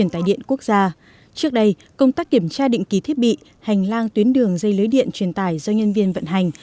trước đây công tác kiểm tra định ký thiết bị hành lang tuyến đường dây lưới điện truyền tải do nhân viên vận hành